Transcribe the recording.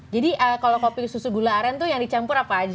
jadi kalau kopi susu gula aren itu yang dicampur apa aja